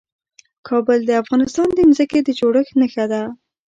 کابل د افغانستان د ځمکې د جوړښت نښه ده.